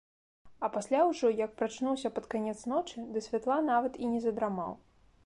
А пасля ўжо, як прачнуўся пад канец ночы, да святла нават і не задрамаў.